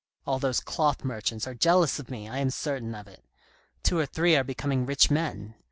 All those cloth merchants are jealous of me, I am certain of it ; two or three are be coming rich men.